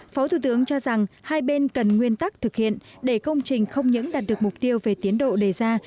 phó thủ tướng cho rằng hai bên cần nguyên tắc thực hiện để công trình không những đạt được mục tiêu về tiến độ đề ra